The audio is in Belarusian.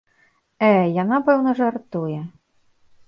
Э, яна, пэўна, жартуе.